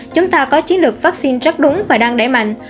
chúng ta có chiến lược vaccine rất đúng và đang đẩy mạnh